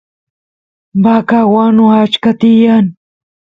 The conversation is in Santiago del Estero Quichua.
vaca wanu achka tiyan